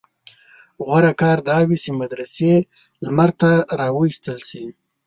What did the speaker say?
غوره کار دا وي چې مدرسې لمر ته راوایستل شي.